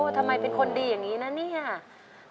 แล้วน้องใบบัวร้องได้หรือว่าร้องผิดครับ